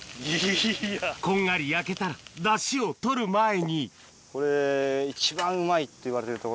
こんがり焼けたら出汁を取る前にこれ。